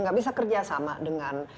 gak bisa kerjasama dengan